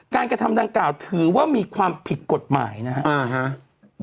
กระทำดังกล่าวถือว่ามีความผิดกฎหมายนะครับ